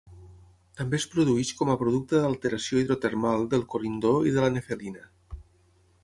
També es produeix com a producte d'alteració hidrotermal del corindó i de la nefelina.